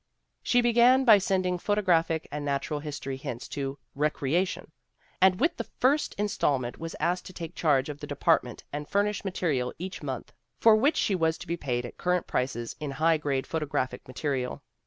*... "She began by sending photographic and natural history hints to Recreation, and with the first install ment was asked to take charge of the department and furnish material each month, for which she was to be paid at current prices in high grade photographic material.